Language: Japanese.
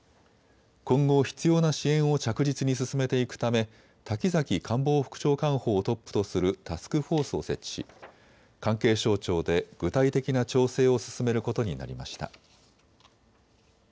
今後、必要な支援を着実に進めていくため滝崎官房副長官補をトップとするタスクフォースを設置し関係省庁で具体的な調整を進めることになりました。